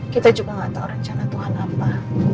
kita juga gak tahu rencana tuhan apa